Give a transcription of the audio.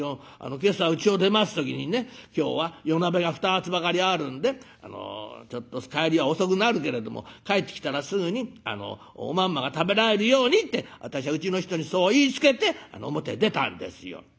今朝うちを出ます時にね今日は夜なべが２つばかりあるんでちょっと帰りは遅くなるけれども帰ってきたらすぐにおまんまが食べられるようにって私はうちの人にそう言いつけて表へ出たんですよ」。